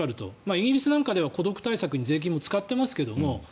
イギリスなんかでは孤独対策に税金も使っていますけど。